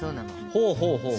ほうほうほうほう。